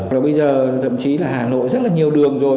rồi bây giờ thậm chí là hà nội rất là nhiều đường rồi